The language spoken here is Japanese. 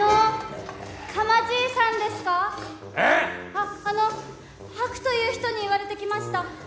ああのハクという人に言われてきました。